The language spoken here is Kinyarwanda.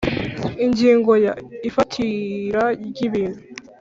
Ingingo ya Igihe ifatira ry ibintu